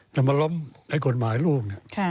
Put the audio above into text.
จะมาล้มกฎหมายลูก